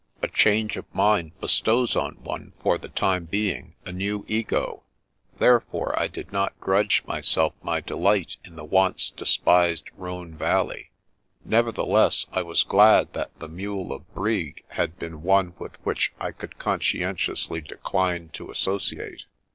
A change of mind bestows on one for the time being a new Ego; therefore I did not grudge myself my delight in the once despised Rhone Valley. Nevertheless, I was glad that the Mule of Brig had been one with which I could conscientiously decline to associate.